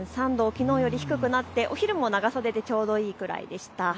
きのうより低くなってお昼も長袖でちょうどいいくらいでした。